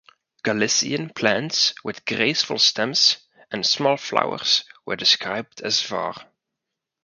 Galician plants with graceful stems and small flowers were described as var.